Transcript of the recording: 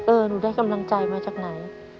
หนูได้กำลังใจมาจากไหน